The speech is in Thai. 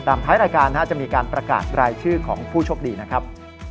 ติดตามท้ายรายการนะครับจะมีการประกาศรายชื่อของผู้ชบดีนะครับ